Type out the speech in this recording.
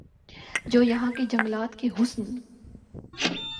جو یہاں کے جنگلات کےحسن